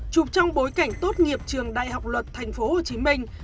chụp trong bối cảnh tốt nghiệp trường đại học luật thành phố hồ chí minh